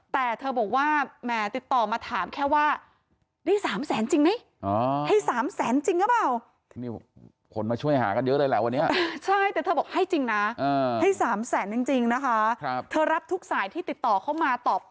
แต่เธอบอกว่าแหมติดต่อมาถามแค่ว่าได้๓แสนจริงไหม